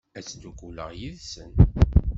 Ad ttdukkuleɣ yid-sen.